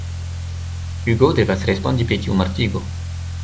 Hugo devas respondi pri tiu mortigo.